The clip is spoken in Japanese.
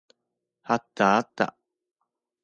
あったあった。